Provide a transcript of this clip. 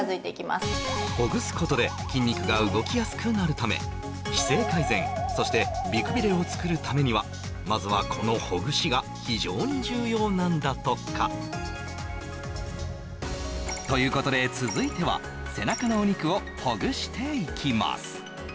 どうしても私達は姿勢改善そして美くびれを作るためにはまずはこのほぐしが非常に重要なんだとかということで続いては背中のお肉をほぐしていきます